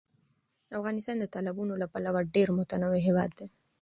افغانستان د تالابونو له پلوه یو ډېر متنوع هېواد دی.